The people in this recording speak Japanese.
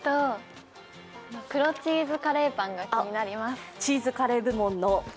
黒チーズカレーパンが気になります。